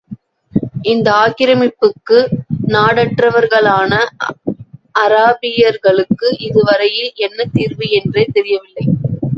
இந்த ஆக்கிரமிப்புக்கு நாடற்றவர்களான அராபியர்களுக்கு இதுவரையில் என்ன தீர்வு என்றே தெரியவில்லை.